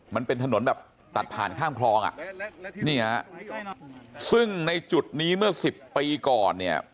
มันเป็นถนนแบบตัดผ่านข้ามคลองอ่ะนี่ฮะซึ่งในจุดนี้เมื่อสิบปีก่อนเนี่ย